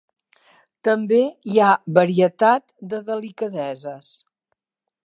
També hi ha varietat de delicadeses.